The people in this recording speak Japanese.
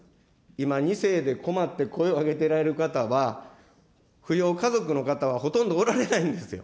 今、２世で困って声上げてられる方は、扶養家族の方はほとんどおられないんですよ。